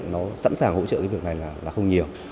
nó sẵn sàng hỗ trợ cái việc này là không nhiều